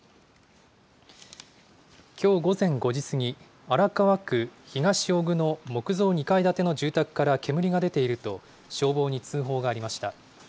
きょう午前５時過ぎ、荒川区東尾久の木造２階建ての住宅から煙が出ていると、消防に通報がありました。